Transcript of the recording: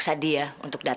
hai dr siti ramat